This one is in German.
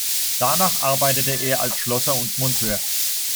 Danach arbeitete er als Schlosser und Monteur.